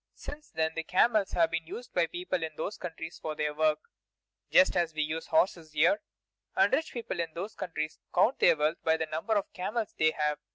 Since that time the camels have been used by people in those countries for their work, just as we use horses here; and rich people in those countries count their wealth by the number of camels they have.